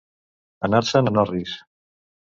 Anar-se'n en orris.